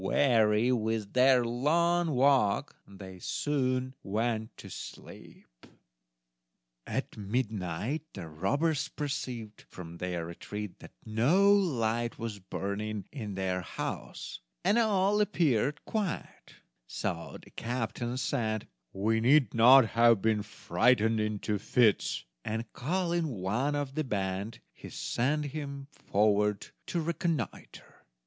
Weary with their long walk, they soon went to sleep. At midnight the robbers perceived from their retreat that no light was burning in their house, and all appeared quiet; so the captain said: "We need not have been frightened into fits"; and, calling one of the band, he sent him forward to reconnoiter.